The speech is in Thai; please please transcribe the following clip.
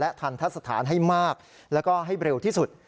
ทันทะสถานให้มากแล้วก็ให้เร็วที่สุด